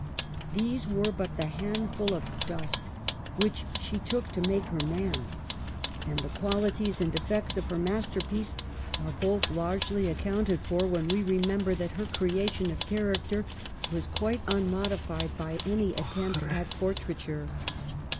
These were but the handful of dust which she took to make her man ; and the qualities and defects of her masterpiece are both largely accounted for when we remember that her creation of character was quite unmodified by any attempt at portraiture.